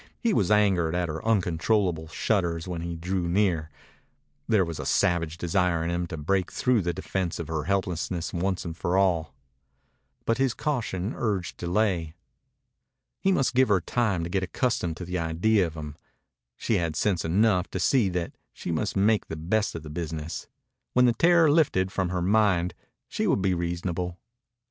He was angered at her uncontrollable shudders when he drew near. There was a savage desire in him to break through the defense of her helplessness once for all. But his caution urged delay. He must give her time to get accustomed to the idea of him. She had sense enough to see that she must make the best of the business. When the terror lifted from her mind she would be reasonable.